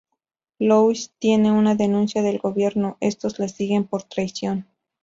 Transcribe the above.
Lois tiene una denuncia del gobierno, estos la siguen por traición.